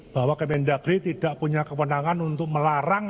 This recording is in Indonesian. bahwa kementerian negeri tidak punya kebenaran untuk melarang